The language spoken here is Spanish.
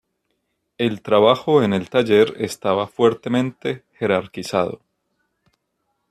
El trabajo en el taller estaba fuertemente jerarquizado.